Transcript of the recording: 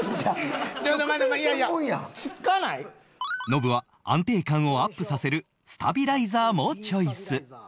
ノブは安定感をアップさせるスタビライザーもチョイス